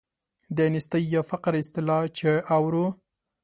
د نیستۍ یا فقر اصطلاح چې اورو.